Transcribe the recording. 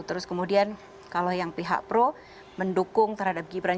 terus kemudian kalau yang pihak pro mendukung terhadap gibran